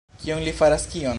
Kion li faras, kion?